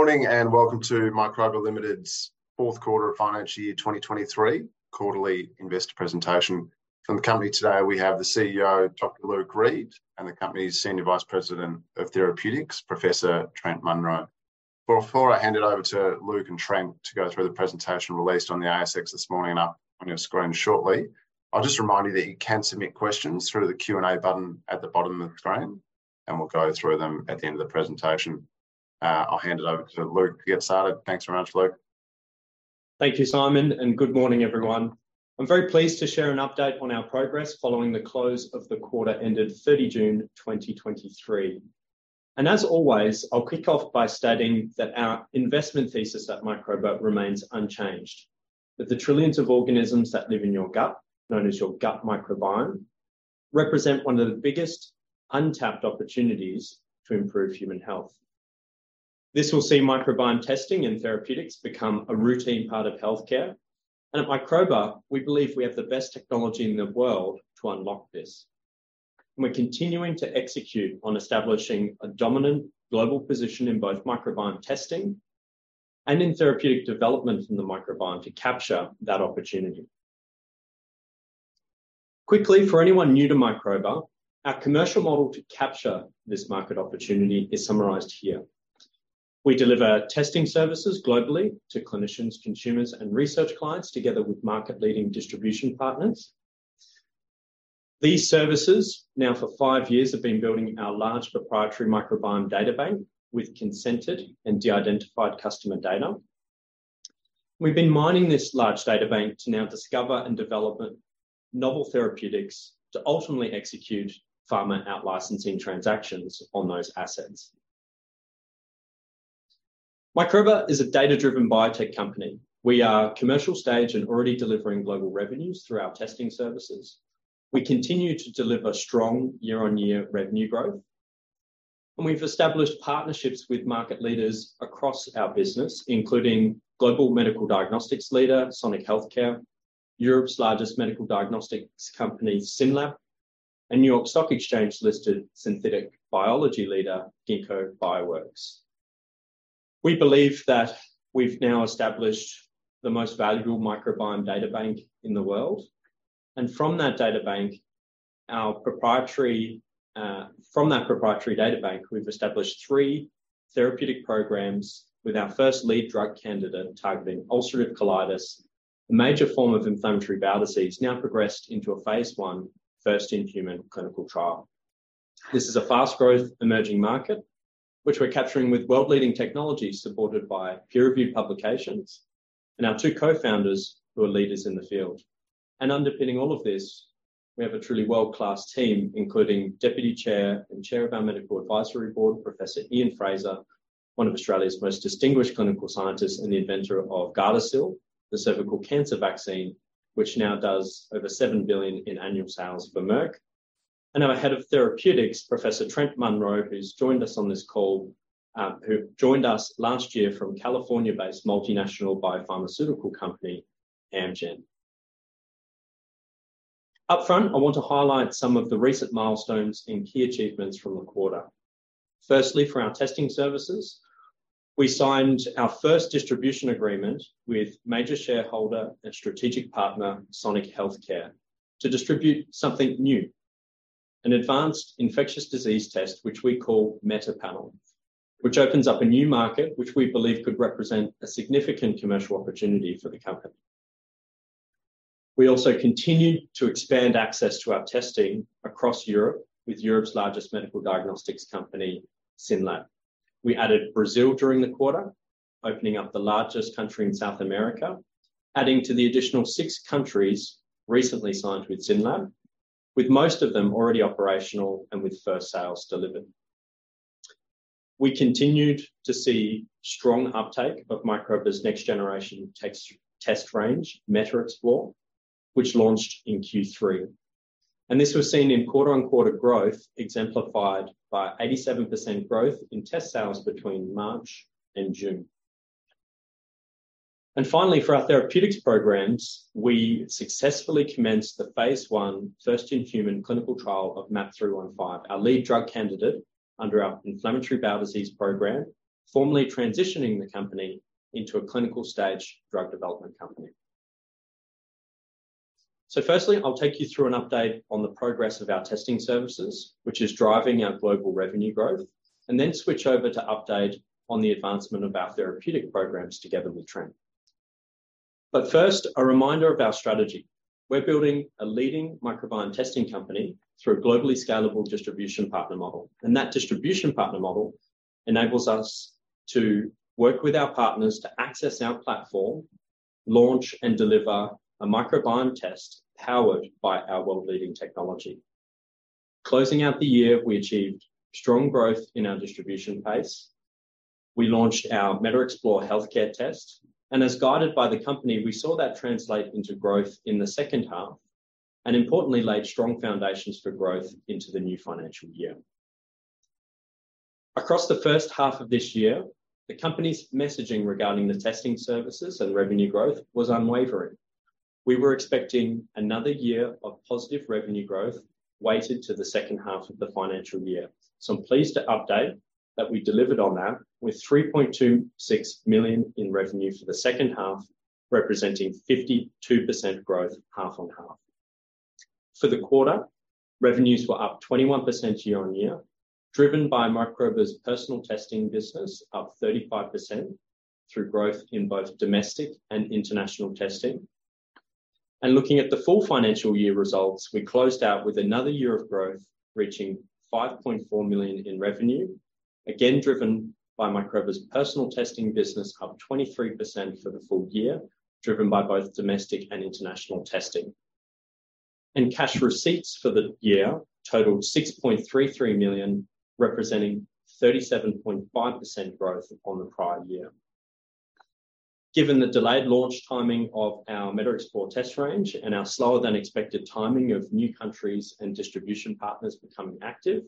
Morning, welcome to Microba Limited's fourth quarter of financial year 2023 quarterly investor presentation. From the company today, we have the Chief Executive Officer, Dr. Luke Reid, and the company's Senior Vice President of Therapeutics, Professor Trent Munro. Before I hand it over to Luke and Trent to go through the presentation released on the ASX this morning and up on your screen shortly, I'll just remind you that you can submit questions through the Q&A button at the bottom of the screen, we'll go through them at the end of the presentation. I'll hand it over to Luke to get started. Thanks very much, Luke. Thank you, Simon, and good morning, everyone. I'm very pleased to share an update on our progress following the close of the quarter ended 30 June, 2023. As always, I'll kick off by stating that our investment thesis at Microba remains unchanged, that the trillions of organisms that live in your gut, known as your gut microbiome, represent one of the biggest untapped opportunities to improve human health. This will see microbiome testing and therapeutics become a routine part of healthcare, and at Microba, we believe we have the best technology in the world to unlock this. We're continuing to execute on establishing a dominant global position in both microbiome testing and in therapeutic development in the microbiome to capture that opportunity. Quickly, for anyone new to Microba, our commercial model to capture this market opportunity is summarized here. We deliver testing services globally to clinicians, consumers, and research clients, together with market-leading distribution partners. These services, now for five years, have been building our large proprietary microbiome databank with consented and de-identified customer data. We've been mining this large databank to now discover and development novel therapeutics to ultimately execute pharma out-licensing transactions on those assets. Microba is a data-driven biotech company. We are commercial stage and already delivering global revenues through our testing services. We continue to deliver strong year-on-year revenue growth. We've established partnerships with market leaders across our business, including global medical diagnostics leader Sonic Healthcare, Europe's largest medical diagnostics company, SYNLAB, and New York Stock Exchange-listed synthetic biology leader, Ginkgo Bioworks. We believe that we've now established the most valuable microbiome databank in the world, and from that databank, our proprietary. From that proprietary databank, we've established three therapeutic programs, with our first lead drug candidate targeting ulcerative colitis, a major form of inflammatory bowel disease, now progressed into a phase I first-in-human clinical trial. This is a fast-growth emerging market, which we're capturing with world-leading technology, supported by peer-reviewed publications and our two co-founders, who are leaders in the field. Underpinning all of this, we have a truly world-class team, including Deputy Chair and Chair of our Medical Advisory Board, Professor Ian Frazer, one of Australia's most distinguished clinical scientists and the inventor of Gardasil, the cervical cancer vaccine, which now does over $7 billion in annual sales for Merck, and our Head of Therapeutics, Professor Trent Munro, who's joined us on this call, who joined us last year from California-based multinational biopharmaceutical company, Amgen. Upfront, I want to highlight some of the recent milestones and key achievements from the quarter. Firstly, for our testing services, we signed our first distribution agreement with major shareholder and strategic partner, Sonic Healthcare, to distribute something new, an advanced infectious disease test, which we call MetaPanel, which opens up a new market, which we believe could represent a significant commercial opportunity for the company. We also continued to expand access to our testing across Europe, with Europe's largest medical diagnostics company, SYNLAB. We added Brazil during the quarter, opening up the largest country in South America, adding to the additional six countries recently signed with SYNLAB, with most of them already operational and with first sales delivered. We continued to see strong uptake of Microba's next generation test range, MetaXplore, which launched in Q3, and this was seen in quarter-on-quarter growth, exemplified by 87% growth in test sales between March and June. Finally, for our therapeutics programs, we successfully commenced the phase I first-in-human clinical trial of MAP 315, our lead drug candidate under our inflammatory bowel disease program, formally transitioning the company into a clinical-stage drug development company. Firstly, I'll take you through an update on the progress of our testing services, which is driving our global revenue growth, and then switch over to update on the advancement of our therapeutic programs together with Trent. First, a reminder of our strategy. We're building a leading microbiome testing company through a globally scalable distribution partner model, and that distribution partner model enables us to work with our partners to access our platform, launch and deliver a microbiome test powered by our world-leading technology. Closing out the year, we achieved strong growth in our distribution base. We launched our MetaXplore healthcare test, and as guided by the company, we saw that translate into growth in the second half, and importantly, laid strong foundations for growth into the new financial year. Across the first half of this year, the company's messaging regarding the testing services and revenue growth was unwavering. We were expecting another year of positive revenue growth weighted to the second half of the financial year. I'm pleased to update that we delivered on that, with 3.26 million in revenue for the second half, representing 52% growth half on half. For the quarter, revenues were up 21% year-on-year, driven by Microba's personal testing business, up 35%, through growth in both domestic and international testing. Looking at the full financial year results, we closed out with another year of growth, reaching 5.4 million in revenue, again, driven by Microba's personal testing business, up 23% for the full year, driven by both domestic and international testing. Cash receipts for the year totaled 6.33 million, representing 37.5% growth upon the prior year. Given the delayed launch timing of our MetaXplore test range and our slower than expected timing of new countries and distribution partners becoming active,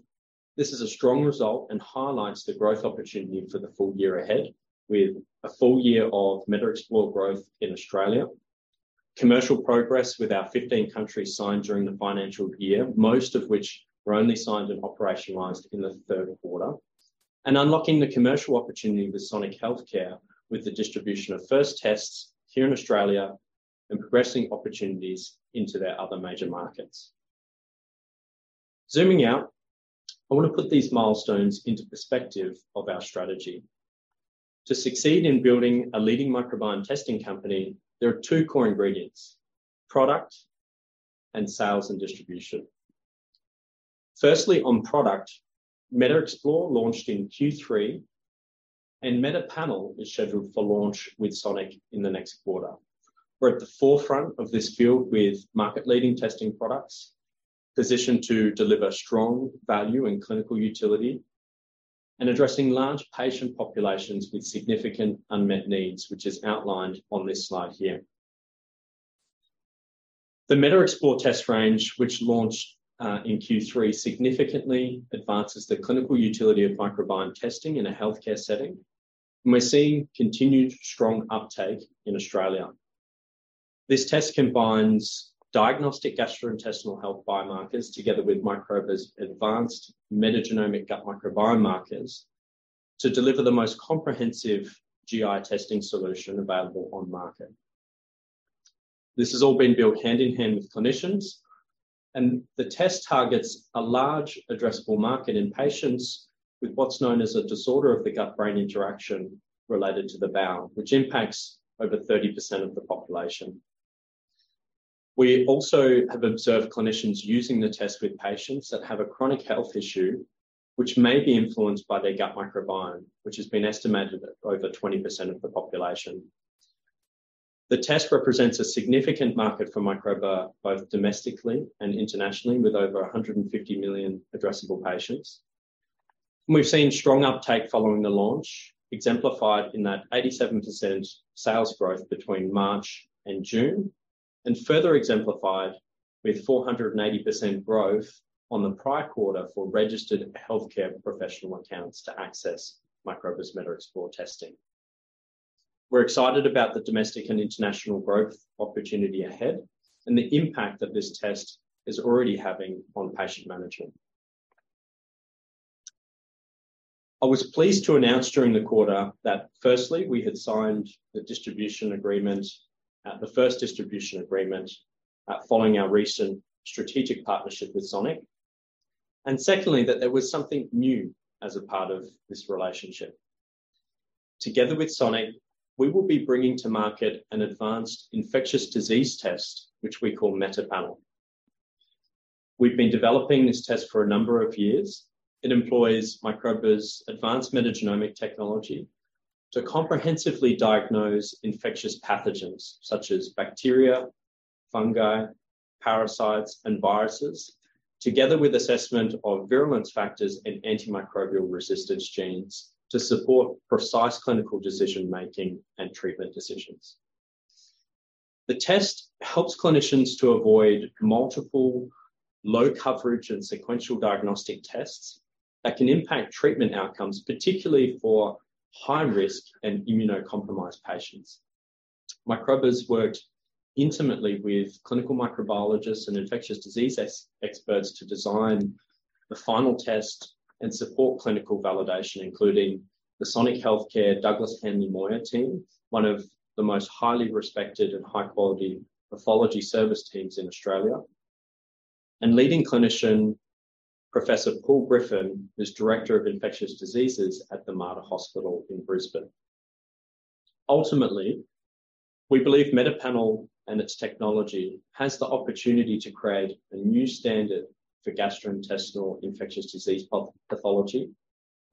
this is a strong result and highlights the growth opportunity for the full year ahead, with a full year of MetaXplore growth in Australia. Commercial progress with our 15 countries signed during the financial year, most of which were only signed and operationalized in the third quarter. Unlocking the commercial opportunity with Sonic Healthcare, with the distribution of first tests here in Australia, and progressing opportunities into their other major markets. Zooming out, I want to put these milestones into perspective of our strategy. To succeed in building a leading microbiome testing company, there are two core ingredients: product and sales and distribution. Firstly, on product, MetaXplore launched in Q3, and MetaPanel is scheduled for launch with Sonic in the next quarter. We're at the forefront of this field with market-leading testing products, positioned to deliver strong value and clinical utility, and addressing large patient populations with significant unmet needs, which is outlined on this slide here. The MetaXplore test range, which launched in Q3, significantly advances the clinical utility of microbiome testing in a healthcare setting, and we're seeing continued strong uptake in Australia. This test combines diagnostic gastrointestinal health biomarkers together with Microba's advanced metagenomic gut microbiome markers, to deliver the most comprehensive GI testing solution available on market. This has all been built hand in hand with clinicians, and the test targets a large addressable market in patients with what's known as a disorder of the gut-brain interaction related to the bowel, which impacts over 30% of the population. We also have observed clinicians using the test with patients that have a chronic health issue, which may be influenced by their gut microbiome, which has been estimated at over 20% of the population. The test represents a significant market for Microba, both domestically and internationally, with over 150 million addressable patients. We've seen strong uptake following the launch, exemplified in that 87% sales growth between March and June, and further exemplified with 480% growth on the prior quarter for registered healthcare professional accounts to access Microba's MetaXplore testing. We're excited about the domestic and international growth opportunity ahead, and the impact that this test is already having on patient management. I was pleased to announce during the quarter that, firstly, we had signed the distribution agreement, the first distribution agreement, following our recent strategic partnership with Sonic. Secondly, that there was something new as a part of this relationship. Together with Sonic Healthcare, we will be bringing to market an advanced infectious disease test, which we call MetaPanel. We've been developing this test for a number of years. It employs Microba's advanced metagenomic technology to comprehensively diagnose infectious pathogens such as bacteria, fungi, parasites, and viruses, together with assessment of virulence factors and antimicrobial resistance genes to support precise clinical decision-making and treatment decisions. The test helps clinicians to avoid multiple low coverage and sequential diagnostic tests that can impact treatment outcomes, particularly for high risk and immunocompromised patients. Microba's worked intimately with clinical microbiologists and infectious disease experts to design the final test and support clinical validation, including the Sonic Healthcare Douglass Hanly Moir team, one of the most highly respected and high quality pathology service teams in Australia, and leading clinician, Professor Paul Griffin, who's Director of Infectious Diseases at the Mater Hospital in Brisbane. Ultimately, we believe MetaPanel and its technology has the opportunity to create a new standard for gastrointestinal infectious disease pathology,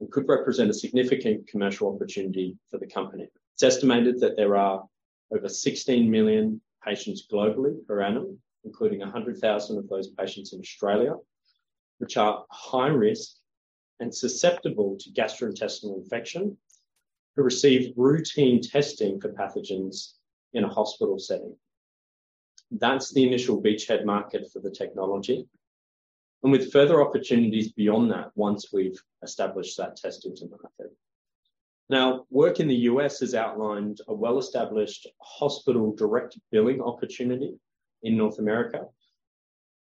and could represent a significant commercial opportunity for the company. It's estimated that there are over 16 million patients globally per annum, including 100,000 of those patients in Australia, which are high risk and susceptible to gastrointestinal infection, who receive routine testing for pathogens in a hospital setting. That's the initial beachhead market for the technology, and with further opportunities beyond that, once we've established that testing to market. Work in the U.S. has outlined a well-established hospital direct billing opportunity in North America,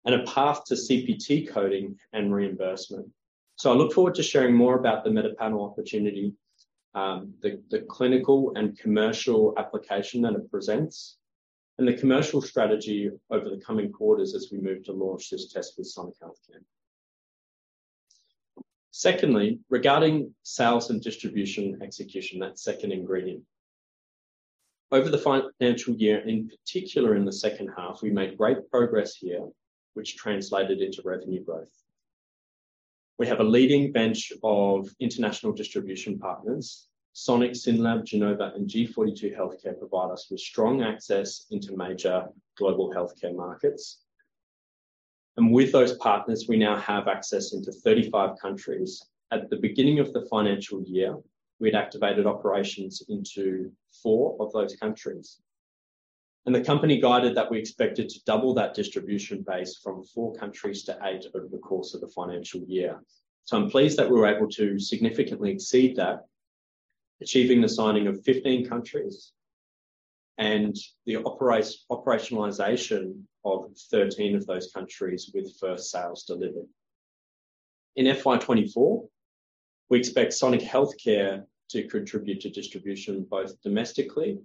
and a path to CPT coding and reimbursement. I look forward to sharing more about the MetaPanel opportunity, the clinical and commercial application that it presents, and the commercial strategy over the coming quarters as we move to launch this test with Sonic Healthcare. Secondly, regarding sales and distribution execution, that second ingredient. Over the financial year, in particular in the second half, we made great progress here, which translated into revenue growth. We have a leading bench of international distribution partners, Sonic, SYNLAB, Genova, and G42 Healthcare provide us with strong access into major global healthcare markets. With those partners, we now have access into 35 countries. At the beginning of the financial year, we'd activated operations into four of those countries. The company guided that we expected to double that distribution base from four countries to eight over the course of the financial year. I'm pleased that we were able to significantly exceed that, achieving the signing of 15 countries, and the operationalization of 13 of those countries with first sales delivered. In FY 2024, we expect Sonic Healthcare to contribute to distribution, both domestically,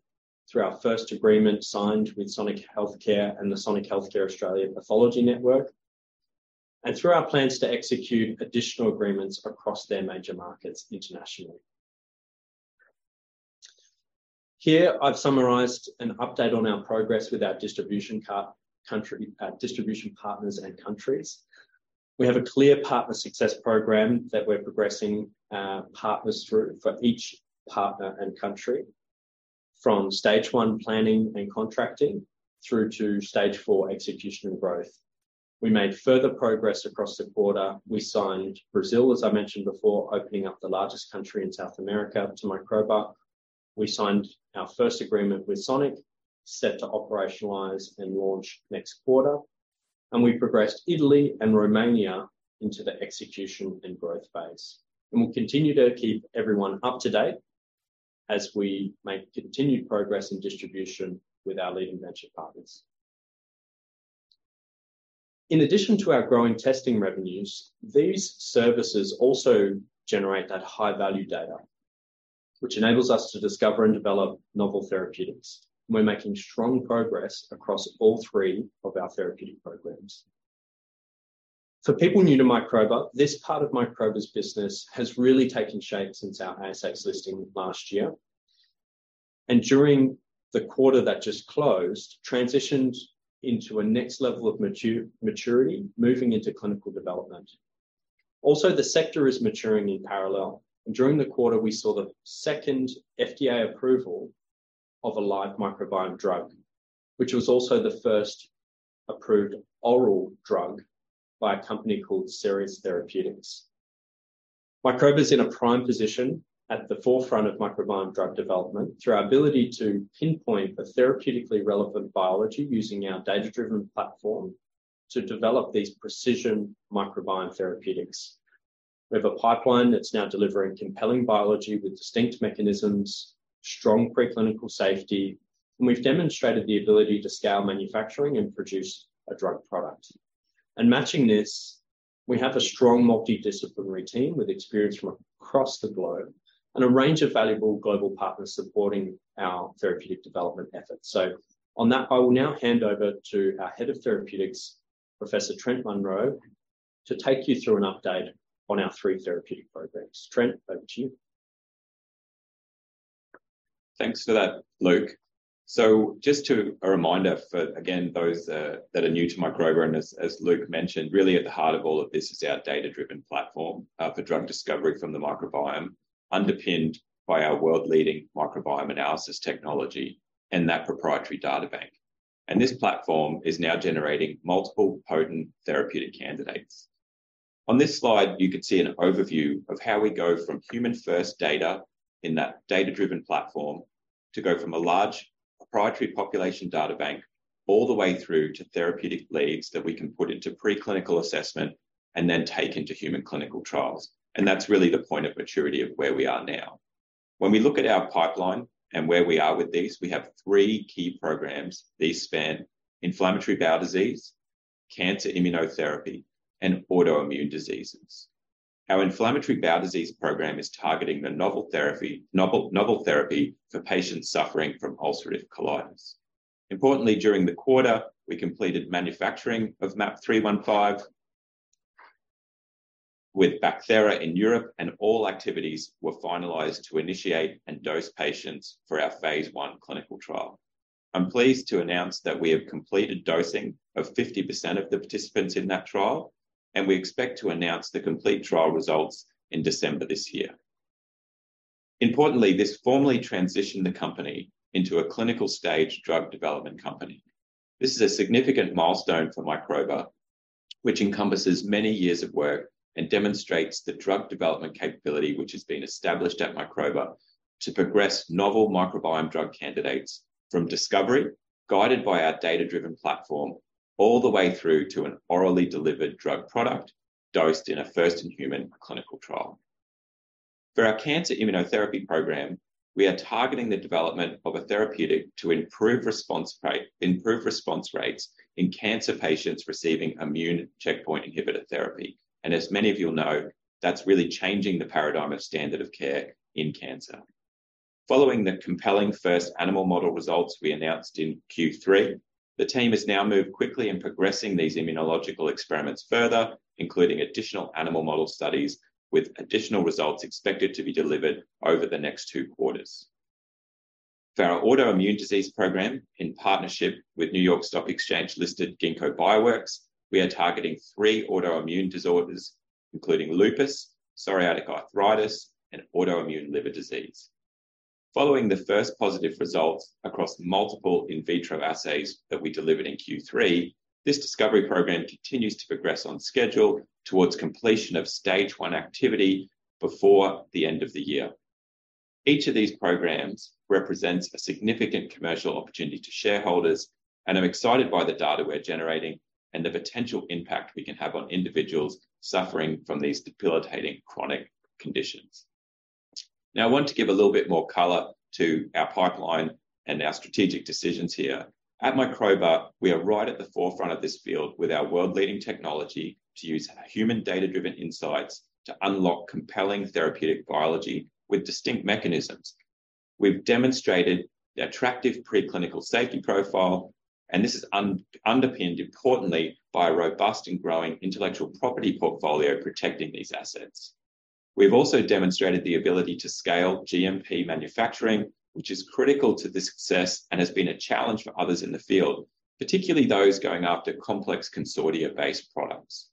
through our first agreement signed with Sonic Healthcare and the Sonic Healthcare Australia Pathology Network, and through our plans to execute additional agreements across their major markets internationally. Here, I've summarized an update on our progress with our distribution country, distribution partners and countries. We have a clear partner success program that we're progressing partners through, for each partner and country, from Stage one, planning and contracting, through to Stage four, execution and growth. We made further progress across the quarter. We signed Brazil, as I mentioned before, opening up the largest country in South America to Microba. We signed our first agreement with Sonic, set to operationalize and launch next quarter. We progressed Italy and Romania into the execution and growth phase. We'll continue to keep everyone up to date as we make continued progress in distribution with our leading venture partners. In addition to our growing testing revenues, these services also generate that high-value data, which enables us to discover and develop novel therapeutics. We're making strong progress across all three of our therapeutic programs. For people new to Microba, this part of Microba's business has really taken shape since our ASX listing last year. During the quarter that just closed, transitioned into a next level of maturity, moving into clinical development. Also, the sector is maturing in parallel, and during the quarter we saw the second FDA approval of a live microbiome drug, which was also the first approved oral drug by a company called Seres Therapeutics. Microba is in a prime position at the forefront of microbiome drug development, through our ability to pinpoint a therapeutically relevant biology using our data-driven platform to develop these precision microbiome therapeutics. We have a pipeline that's now delivering compelling biology with distinct mechanisms, strong preclinical safety, and we've demonstrated the ability to scale manufacturing and produce a drug product. Matching this, we have a strong multidisciplinary team with experience from across the globe, and a range of valuable global partners supporting our therapeutic development efforts. On that, I will now hand over to our Head of Therapeutics, Professor Trent Munro, to take you through an update on our three therapeutic programs. Trent, over to you. Thanks for that, Luke. Just a reminder for, again, those that are new to Microba, as Luke mentioned, really at the heart of all of this is our data-driven platform for drug discovery from the microbiome, underpinned by our world-leading microbiome analysis technology and that proprietary data bank. This platform is now generating multiple potent therapeutic candidates. On this slide, you can see an overview of how we go from human first data in that data-driven platform to go from a large proprietary population data bank, all the way through to therapeutic leads that we can put into preclinical assessment and then take into human clinical trials. That's really the point of maturity of where we are now. When we look at our pipeline and where we are with these, we have three key programs. These span inflammatory bowel disease, cancer immunotherapy, and autoimmune diseases. Our inflammatory bowel disease program is targeting the novel therapy for patients suffering from ulcerative colitis. During the quarter, we completed manufacturing of MAP315 with Bacthera in Europe, and all activities were finalized to initiate and dose patients for our phase I clinical trial. I'm pleased to announce that we have completed dosing of 50% of the participants in that trial, and we expect to announce the complete trial results in December this year. This formally transitioned the company into a clinical stage drug development company. This is a significant milestone for Microba, which encompasses many years of work, and demonstrates the drug development capability which has been established at Microba to progress novel microbiome drug candidates from discovery, guided by our data-driven platform, all the way through to an orally delivered drug product. dosed in a first-in-human clinical trial. For our cancer immunotherapy program, we are targeting the development of a therapeutic to improve response rate, improve response rates in cancer patients receiving immune checkpoint inhibitor therapy. As many of you will know, that's really changing the paradigm of standard of care in cancer. Following the compelling first animal model results we announced in Q3, the team has now moved quickly in progressing these immunological experiments further, including additional animal model studies, with additional results expected to be delivered over the next two quarters. For our autoimmune disease program, in partnership with New York Stock Exchange-listed Ginkgo Bioworks, we are targeting three autoimmune disorders, including lupus, psoriatic arthritis, and autoimmune liver disease. Following the first positive results across multiple in vitro assays that we delivered in Q3, this discovery program continues to progress on schedule towards completion of Stage One activity before the end of the year. Each of these programs represents a significant commercial opportunity to shareholders, and I'm excited by the data we're generating and the potential impact we can have on individuals suffering from these debilitating chronic conditions. I want to give a little bit more color to our pipeline and our strategic decisions here. At Microba, we are right at the forefront of this field with our world-leading technology to use human data-driven insights to unlock compelling therapeutic biology with distinct mechanisms. We've demonstrated the attractive preclinical safety profile, and this is underpinned importantly by a robust and growing intellectual property portfolio protecting these assets. We've also demonstrated the ability to scale GMP manufacturing, which is critical to the success and has been a challenge for others in the field, particularly those going after complex consortia-based products.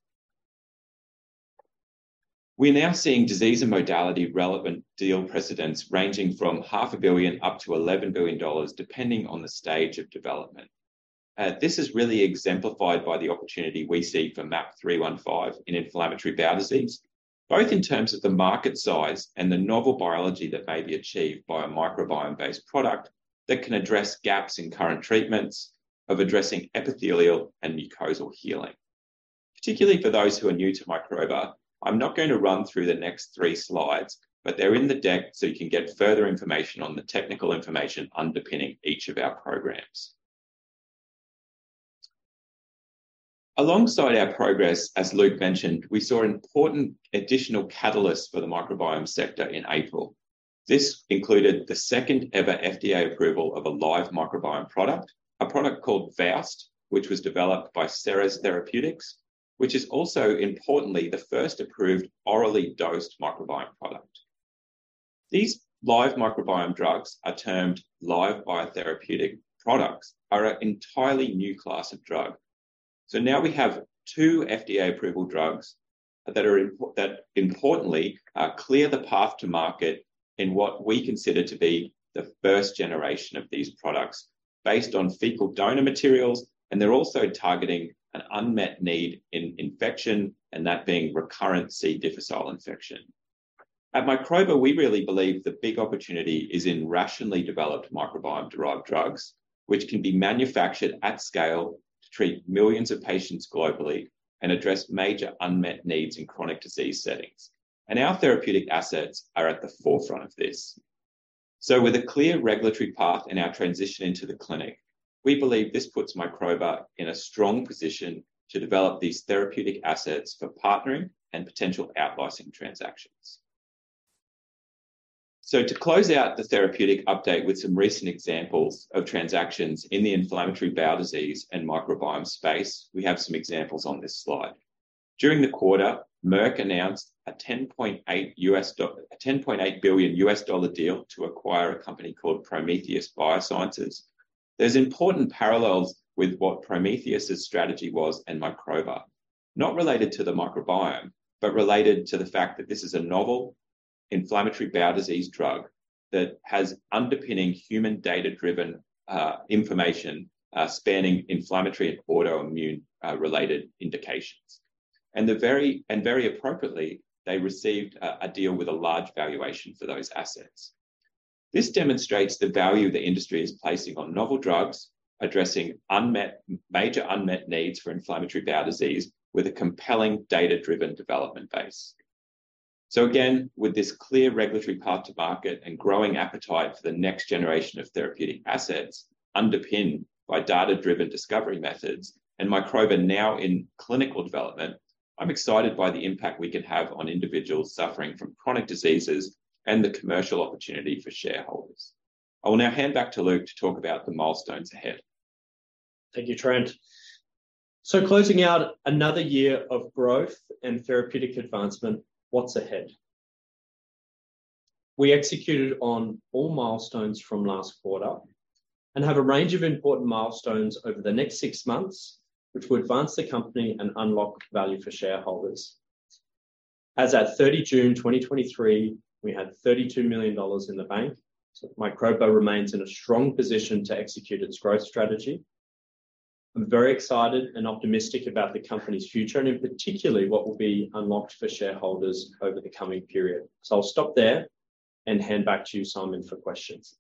We're now seeing disease and modality-relevant deal precedents ranging from 500 billion up to 11 billion dollars, depending on the stage of development. This is really exemplified by the opportunity we see for MAP315 in inflammatory bowel disease, both in terms of the market size and the novel biology that may be achieved by a microbiome-based product that can address gaps in current treatments of addressing epithelial and mucosal healing. Particularly for those who are new to Microba, I'm not going to run through the next three slides, but they're in the deck, so you can get further information on the technical information underpinning each of our programs. Alongside our progress, as Luke mentioned, we saw an important additional catalyst for the microbiome sector in April. This included the second-ever FDA approval of a live microbiome product, a product called Vowst, which was developed by Seres Therapeutics, which is also importantly the first approved orally dosed microbiome product. These live microbiome drugs are termed Live Biotherapeutic Products, are an entirely new class of drug. Now we have two FDA-approval drugs that importantly clear the path to market in what we consider to be the first generation of these products based on fecal donor materials, and they're also targeting an unmet need in infection, and that being recurrent C. difficile infection. At Microba, we really believe the big opportunity is in rationally developed microbiome-derived drugs, which can be manufactured at scale to treat millions of patients globally and address major unmet needs in chronic disease settings. Our therapeutic assets are at the forefront of this. With a clear regulatory path in our transition into the clinic, we believe this puts Microba in a strong position to develop these therapeutic assets for partnering and potential out licensing transactions. To close out the therapeutic update with some recent examples of transactions in the inflammatory bowel disease and microbiome space, we have some examples on this slide. During the quarter, Merck announced a $10.8 billion deal to acquire a company called Prometheus Biosciences. There's important parallels with what Prometheus' strategy was and Microba. Not related to the microbiome, but related to the fact that this is a novel inflammatory bowel disease drug that has underpinning human data-driven information spanning inflammatory and autoimmune related indications. Very appropriately, they received a deal with a large valuation for those assets. This demonstrates the value the industry is placing on novel drugs, addressing unmet, major unmet needs for inflammatory bowel disease with a compelling data-driven development base. Again, with this clear regulatory path to market and growing appetite for the next generation of therapeutic assets underpinned by data-driven discovery methods, and Microba now in clinical development, I'm excited by the impact we can have on individuals suffering from chronic diseases and the commercial opportunity for shareholders. I will now hand back to Luke to talk about the milestones ahead. Thank you, Trent. Closing out another year of growth and therapeutic advancement, what's ahead? We executed on all milestones from last quarter and have a range of important milestones over the next 6 months, which will advance the company and unlock value for shareholders. As at 30 June 2023, we had 32 million dollars in the bank, so Microba remains in a strong position to execute its growth strategy. I'm very excited and optimistic about the company's future, and in particular, what will be unlocked for shareholders over the coming period. I'll stop there and hand back to you, Simon, for questions.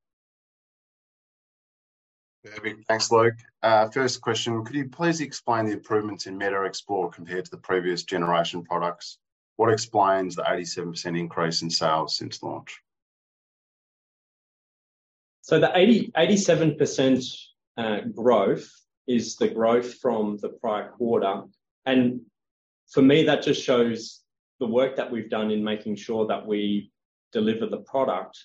Perfect. Thanks, Luke. First question: could you please explain the improvements in MetaXplore compared to the previous generation products? What explains the 87% increase in sales since launch? The 87% growth is the growth from the prior quarter. For me, that just shows the work that we've done in making sure that we deliver the product,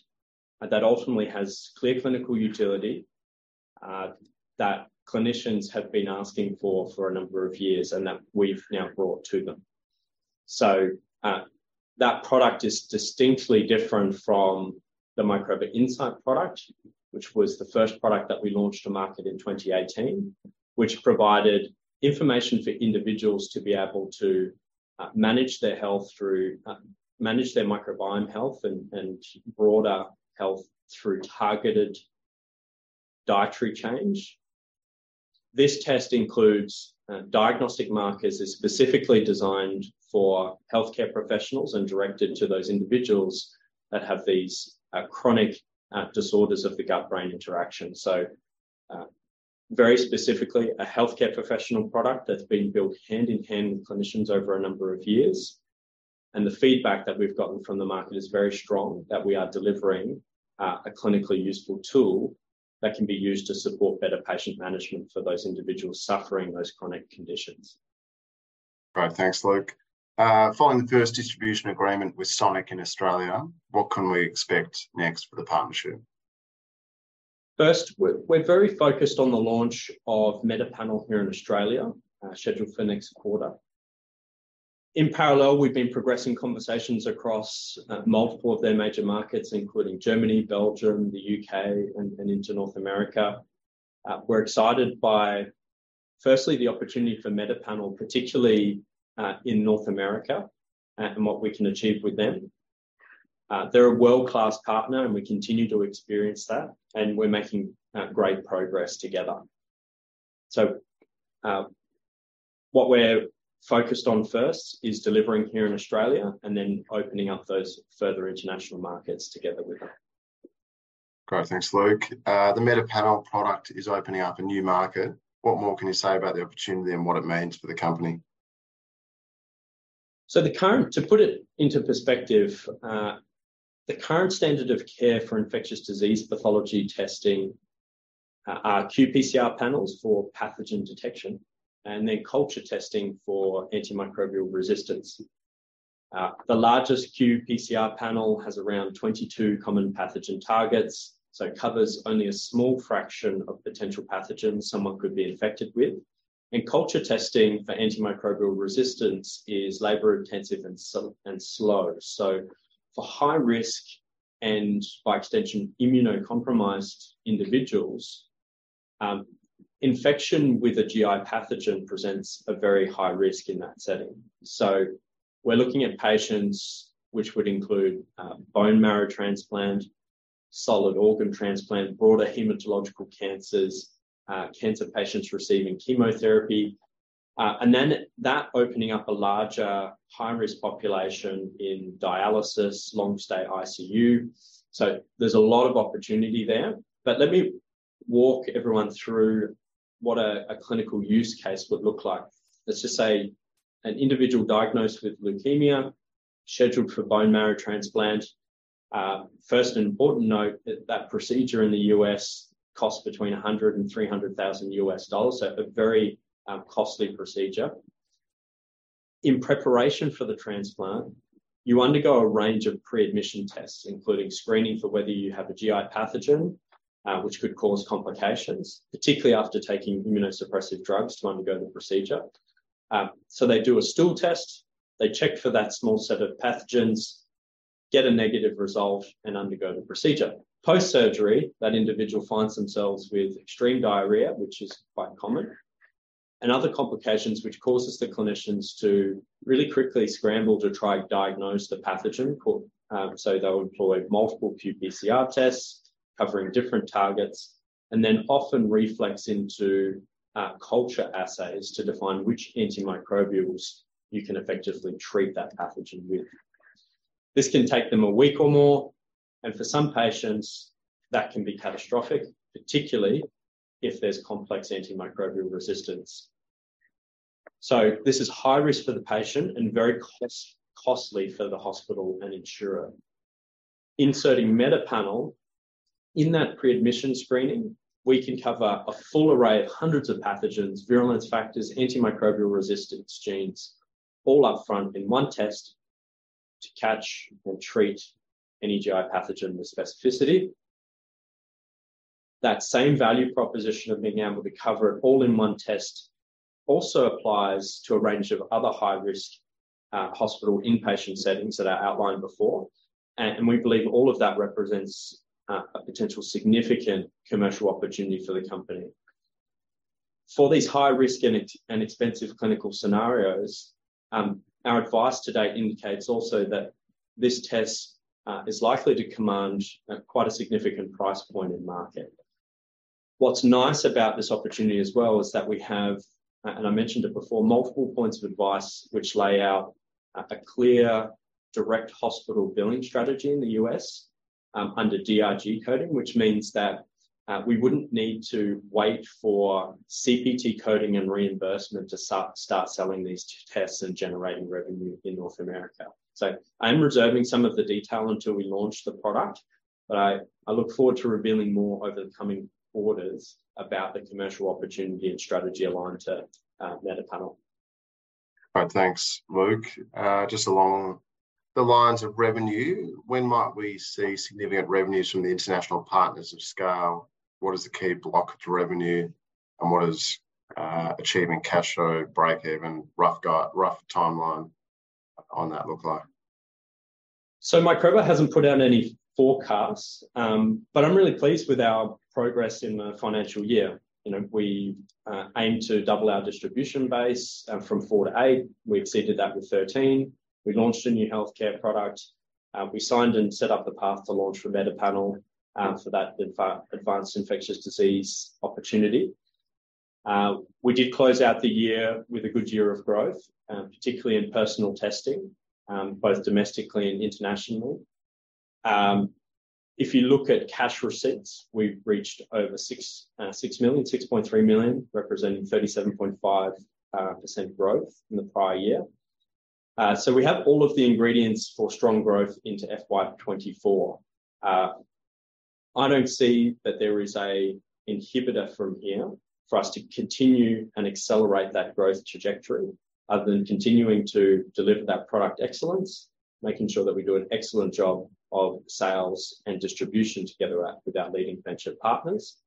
that ultimately has clear clinical utility, that clinicians have been asking for a number of years, and that we've now brought to them. That product is distinctly different from the Microba Insight product, which was the first product that we launched to market in 2018, which provided information for individuals to be able to manage their health manage their microbiome health and broader health through targeted dietary change. This test includes diagnostic markers, is specifically designed for healthcare professionals, and directed to those individuals that have these chronic disorders of the gut-brain interaction. Very specifically, a healthcare professional product that's been built hand-in-hand with clinicians over a number of years. The feedback that we've gotten from the market is very strong, that we are delivering a clinically useful tool that can be used to support better patient management for those individuals suffering those chronic conditions. Great. Thanks, Luke. Following the first distribution agreement with Sonic in Australia, what can we expect next for the partnership? First, we're very focused on the launch of MetaPanel here in Australia, scheduled for next quarter. In parallel, we've been progressing conversations across multiple of their major markets, including Germany, Belgium, the U.K., and into North America. We're excited by, firstly, the opportunity for MetaPanel, particularly in North America, and what we can achieve with them. They're a world-class partner, and we continue to experience that, and we're making great progress together. What we're focused on first is delivering here in Australia, and then opening up those further international markets together with them. Great. Thanks, Luke. The MetaPanel product is opening up a new market. What more can you say about the opportunity and what it means for the company? To put it into perspective, the current standard of care for infectious disease pathology testing are qPCR panels for pathogen detection, and then culture testing for antimicrobial resistance. The largest qPCR panel has around 22 common pathogen targets, so it covers only a small fraction of potential pathogens someone could be infected with. Culture testing for antimicrobial resistance is labor-intensive and slow. For high risk, and by extension, immunocompromised individuals, infection with a GI pathogen presents a very high risk in that setting. We're looking at patients, which would include bone marrow transplant, solid organ transplant, broader hematological cancers, cancer patients receiving chemotherapy, and then that opening up a larger high-risk population in dialysis, long-stay ICU. There's a lot of opportunity there. Let me walk everyone through what a clinical use case would look like. Let's just say an individual diagnosed with leukemia, scheduled for bone marrow transplant. First, an important note, that procedure in the U.S. costs between $100,000 and $300,000 U.S, so a very costly procedure. In preparation for the transplant, you undergo a range of pre-admission tests, including screening for whether you have a GI pathogen, which could cause complications, particularly after taking immunosuppressive drugs to undergo the procedure. They do a stool test, they check for that small set of pathogens, get a negative result, and undergo the procedure. Post-surgery, that individual finds themselves with extreme diarrhea, which is quite common, and other complications, which causes the clinicians to really quickly scramble to try to diagnose the pathogen. They'll employ multiple qPCR tests covering different targets, and then often reflex into culture assays to define which antimicrobials you can effectively treat that pathogen with. This can take them a week or more, and for some patients, that can be catastrophic, particularly if there's complex antimicrobial resistance. This is high risk for the patient and very costly for the hospital and insurer. Inserting MetaPanel in that pre-admission screening, we can cover a full array of hundreds of pathogens, virulence factors, antimicrobial resistance genes, all up front in one test to catch and treat any GI pathogen with specificity. That same value proposition of being able to cover it all in one test also applies to a range of other high-risk hospital inpatient settings that I outlined before. We believe all of that represents a potential significant commercial opportunity for the company. For these high risk and expensive clinical scenarios, our advice to date indicates also that this test is likely to command quite a significant price point in market. What's nice about this opportunity as well is that we have, and I mentioned it before, multiple points of advice which lay out a clear, direct hospital billing strategy in the US under DRG coding, which means that we wouldn't need to wait for CPT coding and reimbursement to start selling these tests and generating revenue in North America. I'm reserving some of the detail until we launch the product, but I look forward to revealing more over the coming quarters about the commercial opportunity and strategy aligned to MetaPanel. All right, thanks, Luke. just along the lines of revenue, when might we see significant revenues from the international partners of scale? What is the key block to revenue, and what is achieving cash flow, break-even, rough guide, rough timeline on that look like? Microba hasn't put out any forecasts, but I'm really pleased with our progress in the financial year. You know, we aimed to double our distribution base from four to eight. We exceeded that with 13. We launched a new healthcare product. We signed and set up the path to launch for MetaPanel for that advanced infectious disease opportunity. We did close out the year with a good year of growth, particularly in personal testing, both domestically and internationally. If you look at cash receipts, we've reached over 6.3 million, representing 37.5% growth from the prior year. We have all of the ingredients for strong growth into FY 2024. I don't see that there is an inhibitor from here for us to continue and accelerate that growth trajectory, other than continuing to deliver that product excellence, making sure that we do an excellent job of sales and distribution together with our leading venture partners.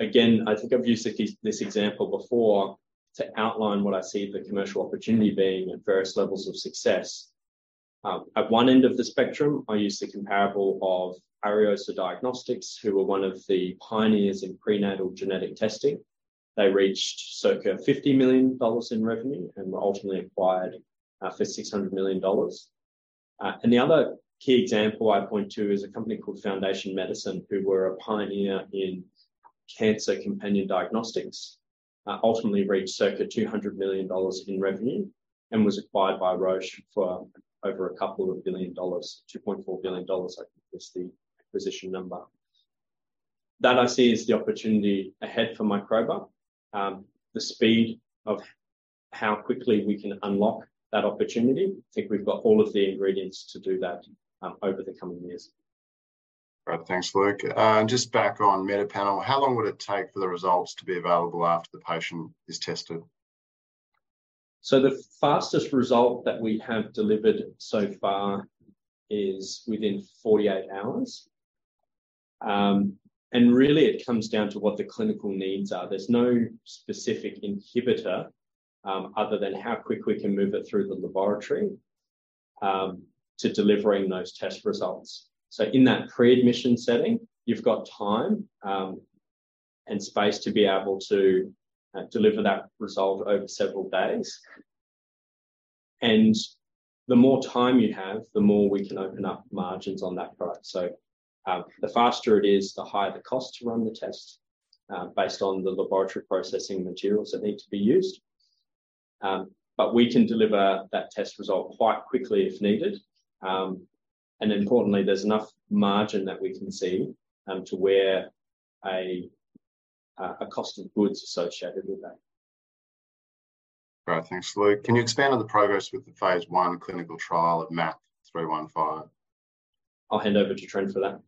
Again, I think I've used this example before to outline what I see the commercial opportunity being at various levels of success. At one end of the spectrum, I use the comparable of Ariosa Diagnostics, who were one of the pioneers in prenatal genetic testing. They reached circa 50 million dollars in revenue and were ultimately acquired for 600 million dollars. The other key example I'd point to is a company called Foundation Medicine, who were a pioneer in cancer companion diagnostics. Ultimately reached circa 200 million dollars in revenue and was acquired by Roche for over a couple of billion dollars. AUD 2.4 billion, I think, was the acquisition number. That I see is the opportunity ahead for Microba. The speed of how quickly we can unlock that opportunity, I think we've got all of the ingredients to do that over the coming years. Great. Thanks, Luke. Just back on MetaPanel, how long would it take for the results to be available after the patient is tested? The fastest result that we have delivered so far is within 48 hours. Really, it comes down to what the clinical needs are. There's no specific inhibitor, other than how quick we can move it through the laboratory, to delivering those test results. In that pre-admission setting, you've got time and space to be able to deliver that result over several days. The more time you have, the more we can open up margins on that product. The faster it is, the higher the cost to run the test, based on the laboratory processing materials that need to be used. We can deliver that test result quite quickly if needed. Importantly, there's enough margin that we can see to where a cost of goods associated with that. Great. Thanks, Luke. Can you expand on the progress with the phase I clinical trial of MAP 315? I'll hand over to Trent for that.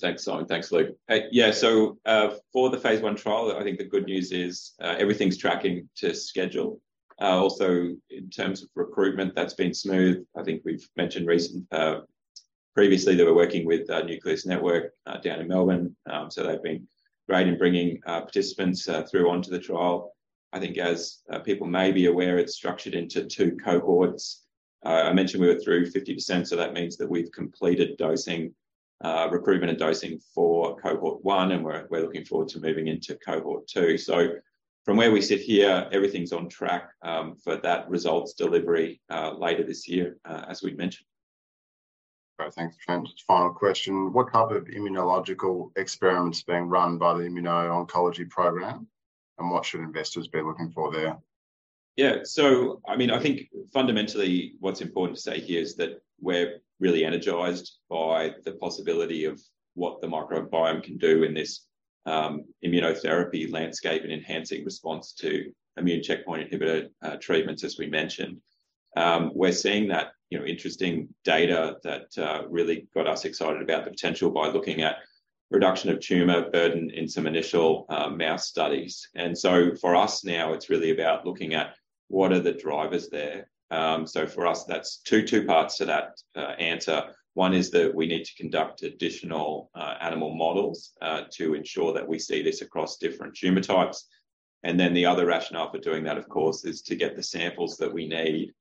Thanks, Simon. Thanks, Luke. For the phase I trial, I think the good news is everything's tracking to schedule. In terms of recruitment, that's been smooth. I think we've mentioned previously that we're working with Nucleus Network down in Melbourne. They've been great in bringing participants through onto the trial. I think as people may be aware, it's structured into two cohorts. I mentioned we were through 50%, so that means that we've completed dosing, recruitment and dosing for Cohort 1, and we're looking forward to moving into Cohort 2. From where we sit here, everything's on track for that results delivery later this year, as we've mentioned. Great. Thanks, Trent. Final question: What type of immunological experiments are being run by the immuno-oncology program, and what should investors be looking for there? Yeah, I think fundamentally, what's important to say here is that we're really energized by the possibility of what the microbiome can do in this immunotherapy landscape and enhancing response to immune checkpoint inhibitor treatments, as we mentioned. We're seeing that, you know, interesting data that really got us excited about the potential by looking at reduction of tumor burden in some initial mouse studies. For us now, it's really about looking at what are the drivers there. For us, that's two parts to that answer. One is that we need to conduct additional animal models to ensure that we see this across different tumor types. The other rationale for doing that, of course, is to get the samples that we need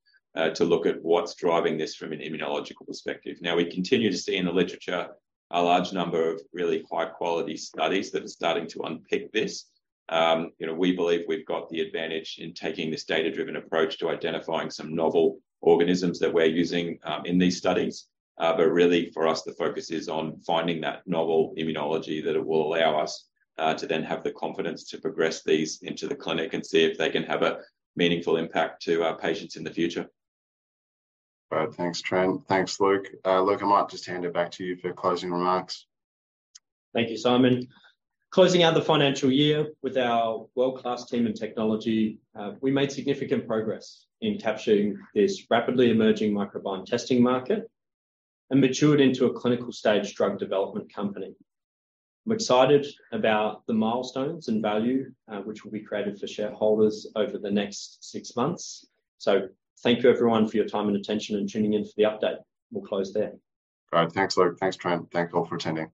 to look at what's driving this from an immunological perspective. We continue to see in the literature a large number of really high-quality studies that are starting to unpick this. You know, we believe we've got the advantage in taking this data-driven approach to identifying some novel organisms that we're using in these studies. For us, the focus is on finding that novel immunology that will allow us to then have the confidence to progress these into the clinic and see if they can have a meaningful impact to our patients in the future. Right. Thanks, Trent. Thanks, Luke. Luke, I might just hand it back to you for closing remarks. Thank you, Simon. Closing out the financial year with our world-class team and technology, we made significant progress in capturing this rapidly emerging microbiome testing market and matured into a clinical-stage drug development company. I'm excited about the milestones and value, which will be created for shareholders over the next six months. Thank you, everyone, for your time and attention and tuning in for the update. We'll close there. All right. Thanks, Luke. Thanks, Trent. Thank you all for attending.